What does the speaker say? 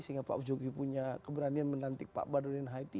sehingga pak jokowi punya keberanian menantik pak badudin haiti